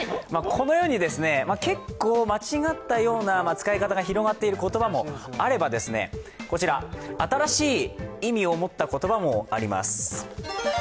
このように結構間違ったような使い方が広まっている言葉もあればこちら、新しい意味を持った言葉もあります。